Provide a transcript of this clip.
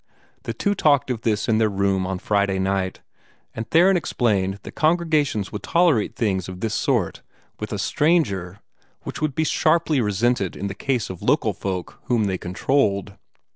The two talked of this in their room on Friday night; and Theron explained that congregations would tolerate things of this sort with a stranger which would be sharply resented in the case of local folk whom they controlled.